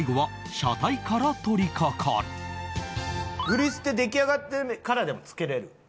グリスって出来上がってからでも付けれる？